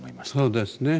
そうですね。